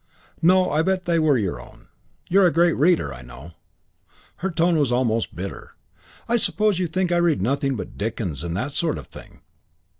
"No, I bet they were your own. You're a great reader, I know." Her tone was almost bitter. "I suppose you think I read nothing but Dickens and that sort of thing."